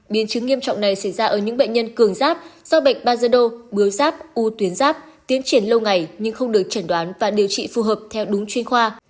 biến chứng nghiêm trọng này xảy ra ở những bệnh nhân cường giáp do bệnh bajedo bứa giáp u tuyến giáp tiến triển lâu ngày nhưng không được chẩn đoán và điều trị phù hợp theo đúng chuyên khoa